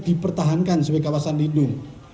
dipertahankan sebagai kawasan lindung